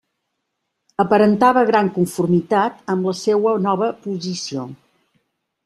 Aparentava gran conformitat amb la seua nova posició.